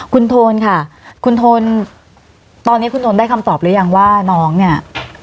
คุณโทนค่ะคุณโทนตอนนี้คุณทนได้คำตอบหรือยังว่าน้องเนี่ย